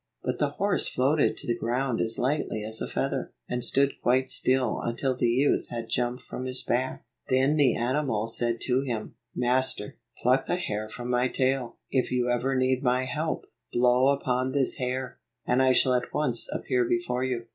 But the horse floated to the ground as lightly as a feather, and stood quite still until the youth had jumped from his back. Then the animal said to him, "Master, pluck a hair from my tail. If you ever need my help, blow upon this hair, and I shall at once appear before you."